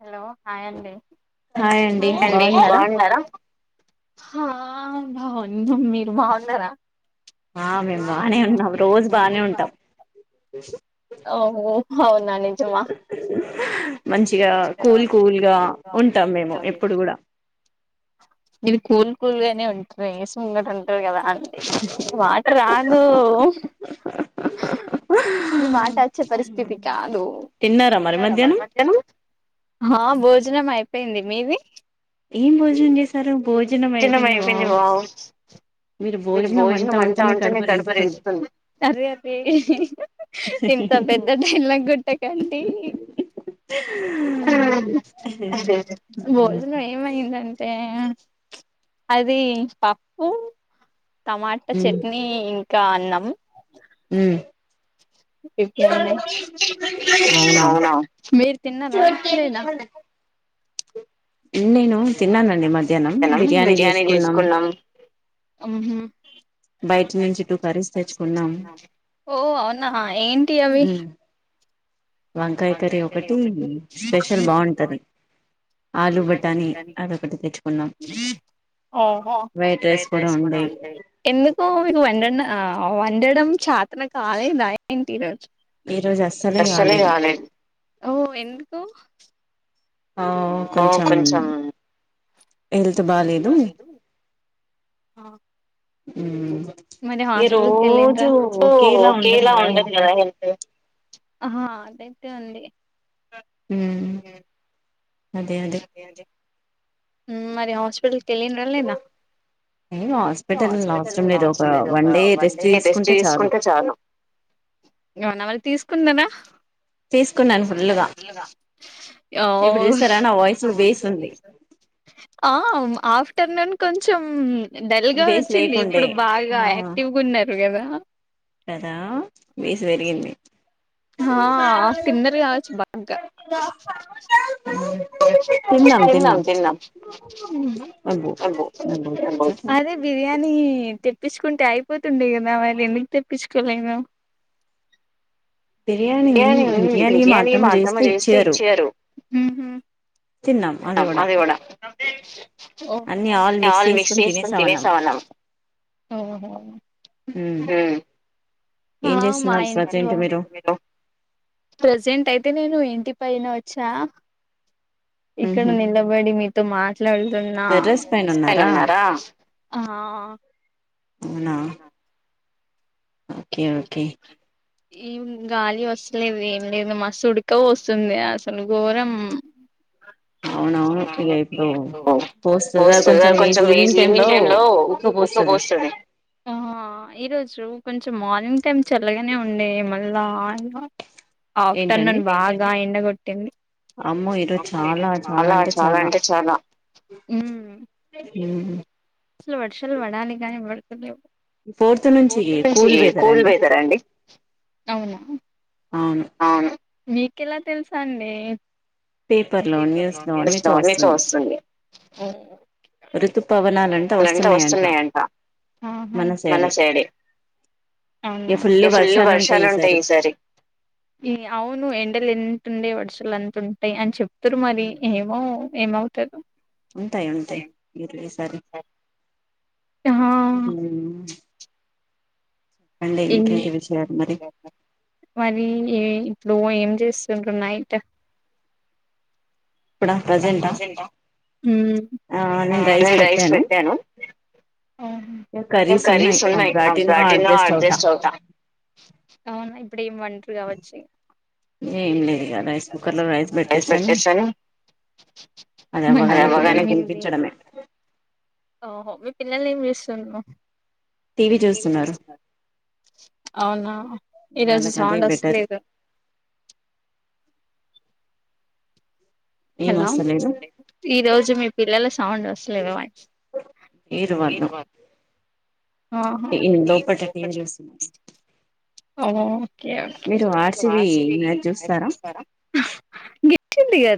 hello hi అండి hi అండి బాగున్నారా హా బాగు మీరు బాగున్నారా ఆ మేము బానే ఉన్నాం రోజు బానే ఉంటాం మంచిగా కూల్ కూల్గా ఉంటాం మేము ఎప్పుడు కూడా ఇది కూలి కూలుగానే ఉంటారు ఏసి ముంగట ఉంటరూ కదా అంతే వాటర్ రాదు ఆ హా హా మ మాట వచ్చే పరిస్థితి కాదు హా భోజనం అయిపోయింది మీది ఏం భోజనం చేశారు భోజనం అయిపోయింది వావ్ మీరు భోజనం అంటా ఉంటేనే కడుపు రేస్తుంది ఇంత పెద్ద డైలాగ్ కొట్టకండి ఆ భోజనం ఏమయిందండి అంటే అది పప్పు టమాటా చట్నీ ఇంకా అన్నం ఉమ్ చికెన్ మీరు తిన్నారా లేద నేను తిన్నానండి మధ్యాహ్నం బిర్యానీ చేసుకున్నాం హు హు ఓ అవునా ఏంటి అవి వంకాయ కర్రీ ఒకటి స్పెషల్ బాగుంటది ఆలు బటానీ అదొకటి తెచ్చుకున్నాం ఓహో ఎందుకు మీరు వెన్ ఆ వండడం చేతన కాలేదు ఏంటి ఈరోజు ఈ రోజు అస్సలే కాలేదు ఓ ఎందుకు ఆ కొంచెం హెల్త్ బాలేేదు ఆ ఉమ్ మరి హాస్పిటల్ కి వెళ్ళిన్రా ఆహా అదైతే ఉంది ఉమ్ అదే అదే మరి హాస్పిటల్ కు ఎల్లెండ్రా లేదా ఏ హాస్పిటల్ అవసరం లేదు ఒక వన్ డే రెస్ట్ తీసుకుంటే చాలు అవునా మరి తీసుకుంనారా ఓహో ఆ అవున్ ఆఫ్టర్నూన్ కొంచెం డల్ గా వచ్చింది ఇప్పుడు బాగా యాక్టివ్ గా ఉన్నారు కదా కదా ఏజ్ పెరిగింది హా తిన్నర్ కావచ్చు బాగా అ తిన్నాం తిన్నాం [unintelligible] ఎనీ తెప్పించుకుంటే అయిపోతుండే కదా మరి ఎందుకు తెప్పించుకోలేదు బిర్యానీ ఉంది బిర్యానీ మా అత్తామ్మ చేస్తే ఇచ్చారు అవి కూడా ఆల్ మిక్స్ చేసుకొని తినేసాం అనమ అ ఓహ్ హో ఉమ్ ఏం చేస్తున్నారు ప్రజెంట్ మీరు ప్రజెంట్ అయితే నేను ఇంటి పైన వచ్చా ఇక్కడ నిలబడి మీతో మాట్లాడుతున్నాన్నారా ఆ అవునా ఓకే ఓకే ఈ గాలి వస్తలేదు ఏం లేదు మసుడక వస్తుంది అసలు ఘోరం [unintelligible] అవునా ఆప్పయి పోస్తుంది అ కొంచెం వేసి ఈవినింగ్ టైమ్ లో ఉప్పు పోస్తుంది ఈరోజు కొంచెం మార్నింగ్ టైమ్ చల్లగానే ఉండే మళ్ళా ఆఫ్టర్నూన్ బాగా ఎండగొట్టింది అమరోజ చాలా చాలా అంటే చాలా ఉ అసలు వర్షాలు పడాలి కానివ పడుతులేవు న నుంచి కూల్ వేతారా అండి అవునా మీీకెలా తెల్సా అండి న్ని చూస్తుంది అలంతా వస్తున్నాయంట మన సైడ్ ఫుల్ వర్షాలుంటాయి ఈ సారి ఈ అవును ఎండలు ఉంటండే వర్సలు అంత ఉంటాయి అని చెప్తారు మరి ఏమో ఏమవుతారు ఉంటాయి ఉంటాయి ఇసారి హ అ అ ఇన్ మరి ఏ నువ్వు ఏం చేస్తుండ్రు నైట్ ఇప్పుడా అంతా అఆట న రైస్ పెట్టాను ఉమ్ ఫోర్ కరీస్ ఉన్నాయి మా బ్యాటన్ లో అడ్జస్ట్ అవుతా అవునా డి మంత్స్ కావచ పద్నాలుగు ఎక్స్పెక్టేషన్ అది అవ్వగానే పిల్లలు వినిపించడమే ఓహో మీ పిల్లల్ని ఏం చేస్తుర్రు టీవీ చూస్తున్నారు అవునా ఈ రోజు సౌండ్ వస్తలేదు [unintelligible] హలో ఈ రోజు మీ పిల్లల సౌండ్ వస్తులేవ వా ఈరు వన్నాం ఇంట్లో పెట్ట టీవీ చూస్తూ ఓ ఓకే ఓకే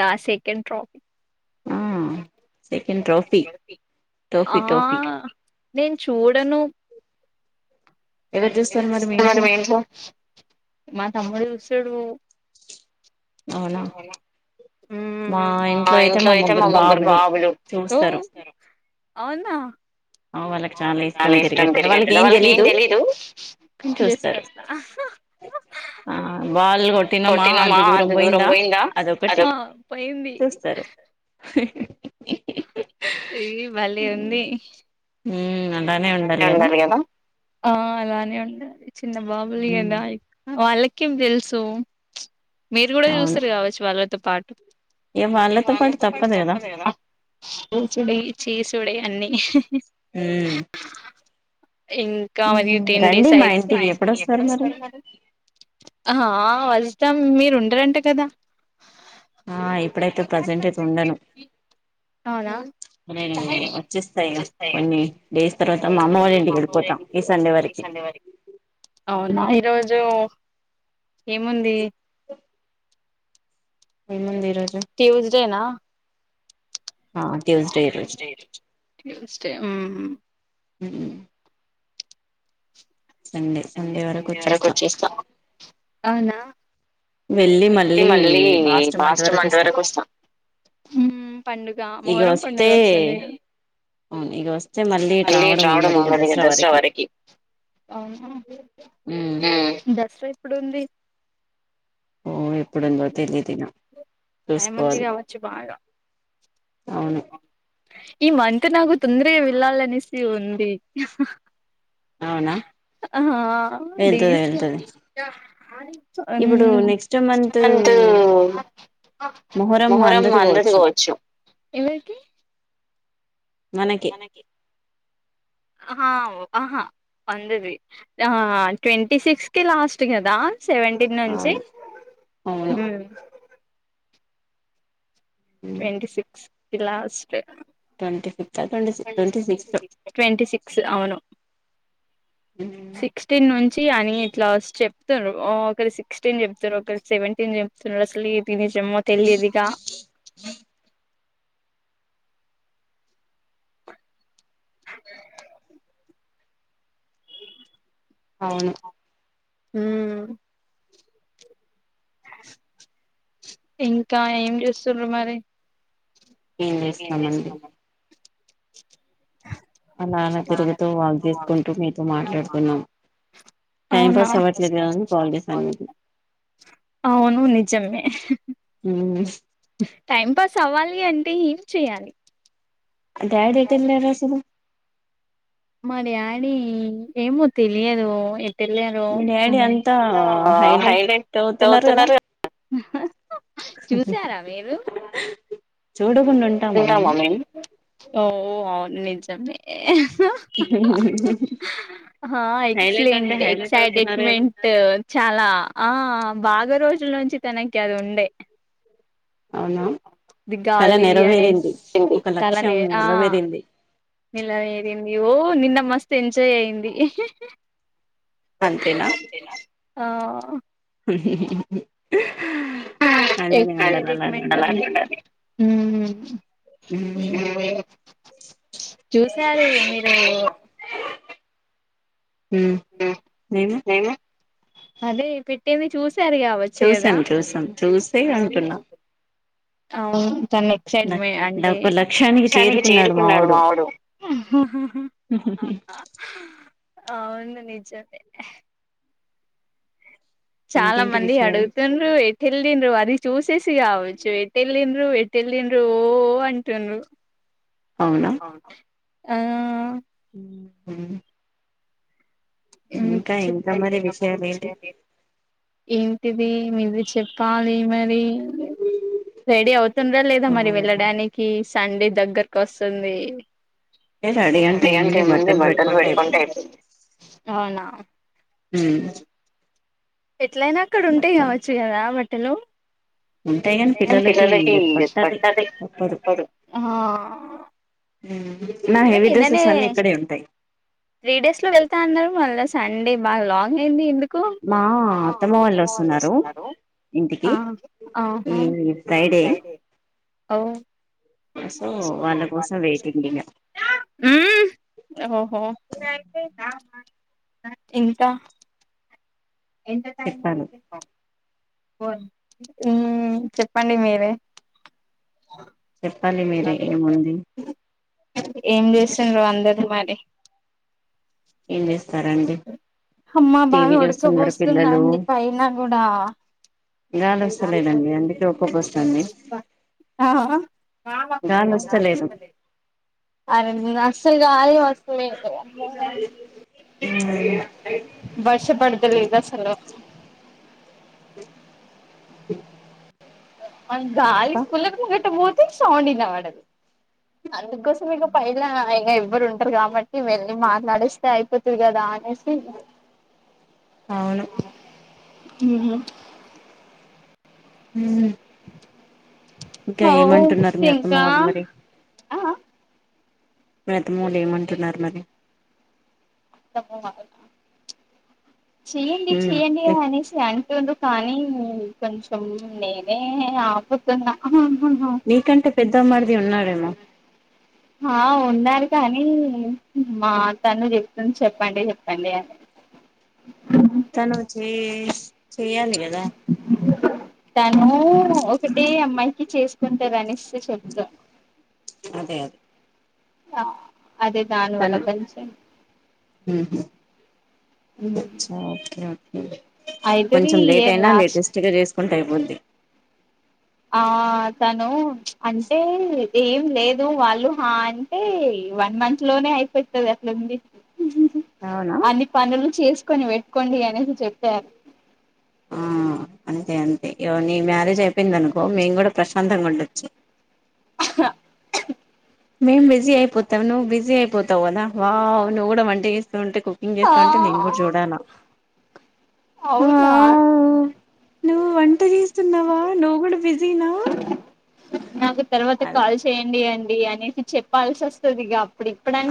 దా సెకండ్ ట్రో ఆ సెకండ్ ట్రోఫీ ట్రోఫీ ట్రోఫీ నేను చూడను చ మా తమ్ముడు చూసాడు అవునా ఉమ్ ఆ ఇంట్లో అయితే మా ముగ్గురు బాబలు లు అవునా చాలా ఇష్టం క్రికెట్ వాళ్ళకి ఏ తెలీదు జస్ట్ వస్తా వాన్ని కొట్టిన మా కొంత దూరం పోయిందా అది హ పయింది [unintelligible] ఈ భలే ఉంది ఏ బాగా అల్లరి కదా ఆ అలానే ఉండాలి చిన్న బాబులు కదా వాళ్ళకి కి ఏం తెలుసు మీరు కూడా చూస్తారు కావచ్చు వాళ్ళతో పాటు ఇంకా ఫ్యామిలీ తో పాటు తప్పదు కదా టూడే అన్నీ ఉమ్ ఇంకా మరి ఈ టెన్ డేస్ అయితే మా ఇంటికి ఎప్పుడు వస్తారు మరి ఆహా ఆ వస్తాం మీరు ఉండరంట కదా ఆ ఇప్పుడైతే ప్రెసెంట్ అయితే ఉండను అవునా నేను వచ్చేస్తా ఇగా కొన్ని డేస్ తర్వాత మా అమ్మ వాళ్ళ ఇంటికి వెళ్ళిపోతా ఈ సండే వరీకి అవునా ఈరోజు ఏముంది అ ట్యూస్డే నా హు ప్రెస్టేజ్ [unintelligible] ఉ అవునా వెళ్ళి మళ్ళీ లాస్ట్ మంత్ వరకు వస్తా ఉమ్ పండుగ మొహరం పండుగ వస్తుంది మళ్ళీ రావడం అవ్వదు కదా దసరా వరకి అవునా దసరా ఎప్పుడుంది ఓ ఎప్పుడుందొ తెలీదు ఇంగా చూసుకోవాలి అవును ఈ మంత్ నాకు తొందరగా వేళ్లాలిఅనేసి ఉంది ఆ [unintelligible] అ [unintelligible] మొహరం అందదికోవచ్చు ఎవరికి మనకి ఆహ ఆహా పండిది హా ట్వంటీ సిక్స్ కి లాస్ట్ కదా సెవెంటీన్ నుంచి ఉ twenty six last twenty six అవును సిక్స్‌టీన్ నుం వచ్చి అని ఇట్లా వచ్చి చెప్తరు ఒకరు సిక్స్టీన్ చెప్తరు ఒకరు సెవెంటీన్ చెప్తన్నారు అసలు తినేసాం తెలిదు ఇక ఉమ్ అవును ఉమ్ ఇంకా ఏం చేస్తుండ్రు మరి ఏం చేస్తామండి ఆలాన తిరుగుతువాక్ చేసుకుంటూ మీతో మాట్లాడుతున్నాం టైమ్ పాస్ అవట్లేదు కదా అని కాల్ చేశాను మీకు అవును నిజమే టైం పాస్ అవ్వాలి అంటే ఏం చెయాలి డాడ్ ఎటు వెళ్ళారు అసలు మా డాడీ ఏమో తెలియదు తెలియదు హైలైట్ అవుతున్నారు చూశారా మీరు ఓ అవును నిజమే [unintelligible] హ ఎక్సలెంట్ ఎక్సైటెట్మెంట్ చాలా ఆ బాగా రోజు లోంచి తనకి అది ఉండే దిగాలి అనేసి తిండి తాలానే ఆ నిలా వేరింది ఓ నిన్న మస్తు ఎంజాయ్ అయింది అంతేనా ఆ ఎక్స [unintelligible] ట్రీట్మెంట్ ఉ చూసారు మీరు అదే పేట్టేవి చూ సరి కవచు కదా అవును తన ఎక్సైట్మె అంటే లక్షనికి చేరుకున్నాడు మావాడు హ్మ్ ఉ అవును నిజమే చాలా మంది అడుగుతున్లు ఏట్ ఎల్లిన్రు అది చూసేసి కావచ్చు ఏటే ఎల్లిండ్రు ఏటే ఎల్లిండ్రు ఓ అంటుండ్రు అవున ఆ ఇంకా చెప్ప ఏంటి ది మీరు చెప్పాలి మరి రెడీ అవుతుండ్రా లేదా మరి వెళ్ళడానికి సండే దగ్గరకు వస్తుంది సండే అయితే ఏముంది బటలు పెడుకుంటే అయిపోంది అవునా ఎట్లయినా అక్కడ ఉంటేయి కావచ్చు కదా బట్టలు ఉంటాయి కానీ పిల్లలకి పట్టది తప్పదు ఉమ్ మ నిన్ననే త్రీ డేస్ లో వెళ్తా అన్నారు మళ్ళ సండే బాగా లాంగ్ అయింది ఎందుకు ఆ ఆహా అఓ సో వాళ్ళ కోసం వెయిటీంగ్ ఇగ హ్మ్ ఓహో ఇంకా ఎంత టై పడుతుందో చెప్పండి మీరే చెప్పాలి మీరు ఏముంది ఏం చేసండ్రో అందరు మరి ఏం చేస్తారంటె అమ్మా బాగా ఉడకపోస్తుంది అండి పైన గూడ గాలు వస్తలేదండి అందుకే ఉక్క పోస్తాంది ఆ అరే అస్సలు గాలి వస్తాలే హ్మ్ వర్ష పడత లేదు అసలు [unintelligible] ముందట ముందట పోతే సౌండ్ ఇనపడదు కోసం ఇక పైల ఇగా ఎవ్వరు ఉంటారు కాబట్టి వెళ్ళి మాట్లాడిస్తే అయిపోతాది కదా అనేసి అవును ఉహు ఉ హ ఇంకా మీతమోలు ఏమంటున్నారు మరి చెయ్యడి చెయడి అనేసి డు కానీ కొంచెం నేనే ఆపుతున్నా నీకంటే పెద్దమ్మారిది ఉన్నాడేమో ఆ ఉన్నారు కానీ మా తన్న చెప్తుంది చెప్పండి చెప్పండి అని తను చే తను ఒకటే అమ్మాయికి చేసుకుంటారునిస్తే చ ఇంకా అదే అదే ఆ అదే దాని వల కొంచం అఛ ఒకే కొంచం లేట్ అయినా లేటెస్ట్ గా కుంట అయిపోంది ఆ తను అంటే ఏం లేదు వాళ్ళు హా అంటే వన్ మంత్ లోనే అయిపోతుం అట్లుంది అన్ని పనులు చేసుకొని పెట్టుకోండి అనేసి చెప్పారు ఆ అంతే అంతే నీ మ్యారేజ్ అయిపోయింది అనుకో మేము కూడా ప్రశాంతంగా ఉండొచ్చు [inaudible] [unintelligible] మేం బిజీ అయిపోతాం నువ్వు బిజీ అయిపోతావు కదా వా్వు నువ్కూడ వంటా చే ఉంటే కుకింగ్ చేస్తూ ఉంటే మేము కూడా చూడాల అవునా నువ్ ఒంట చే చెస్తున్నావా నువ్వు కూడా బిజీ నా అనేసి చెప్పాల్సి వస్తుంది ఇక అప్పుడు ఇప్పుడా